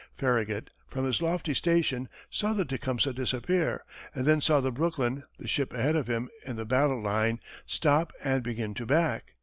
Farragut, from his lofty station, saw the Tecumseh disappear, and then saw the Brooklyn, the ship ahead of him in the battle line, stop and begin to back.